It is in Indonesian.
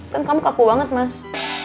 kan kamu kaku banget mas